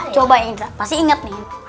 coba yang indra pasti inget nih